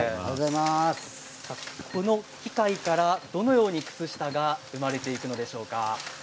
この機械から、どのように靴下が生まれていくのでしょうか。